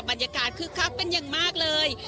บรรยากาศคึกคับเป็นอย่างมากเลย